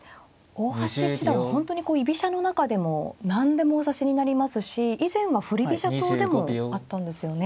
大橋七段は本当にこう居飛車の中でも何でもお指しになりますし以前は振り飛車党でもあったんですよね。